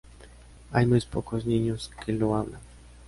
Hay muy pocos niños que lo hablan.